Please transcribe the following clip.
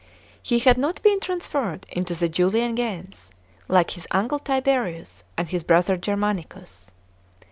He had not been transferred into the Julian gens, like his uncle Tiberius and his brother Germanicus.